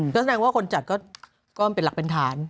ฉะนั้นคือว่าก็ก็เป็นหลักเป็นฐาน